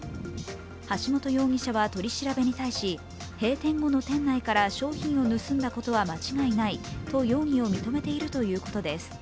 橋本容疑者は取り調べに対し閉店後の店内から商品を盗んだことは間違いないと容疑を認めているということです。